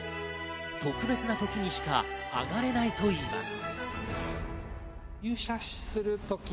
特別な時にしか上がれないといいます。